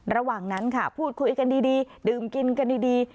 ระหว่างนั้นค่ะพูดคุยกันดีดื่มกินกันดี